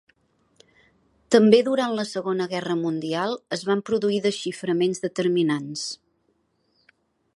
També durant la Segona Guerra Mundial es van produir desxiframents determinants.